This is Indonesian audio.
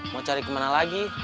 mau cari kemana lagi